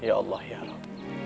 ya allah ya allah